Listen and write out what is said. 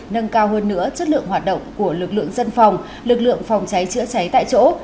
nâng cao hơn nữa chất lượng hoạt động của lực lượng dân phòng lực lượng phòng cháy chữa cháy tại chỗ